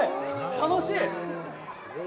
楽しい！